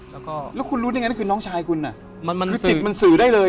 แล้วคุณรู้ได้ยังไงว่าน้องชายคุณคือจิตมันสื่อได้เลย